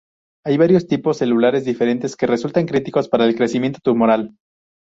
Hay varios tipos celulares diferentes que resultan críticos para el crecimiento tumoral.